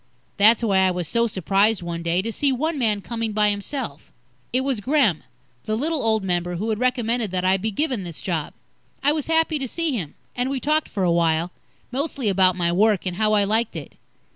That's why I was so surprised one day, to see one man coming by himself. It was Gremm, the little old member, who had recommended that I be given this job. I was happy to see him, and we talked for a while, mostly about my work, and how I liked it.